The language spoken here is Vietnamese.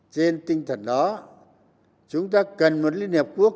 trên tinh thần đó chúng ta cần một liên hiệp quốc